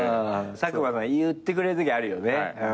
佐久間さん言ってくれるときあるよね。